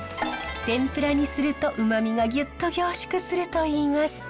天ぷらにするとうまみがギュッと凝縮するといいます。